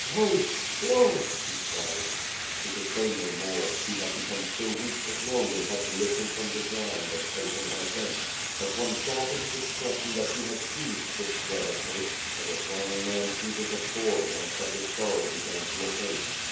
Life, blood!" he cried. He could say no more; he had become so weak that Longin had to lift him from the ground and place him on a bench, but one saw from his expression that he had seized this thread of hope, as a drowning man seizes a board and that his sor row begun to abate.